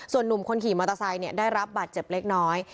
ส่วนหนุ่มคนขี่มอเตอร์ไซค์ได้รับบาดเจ็บเล็กน้อย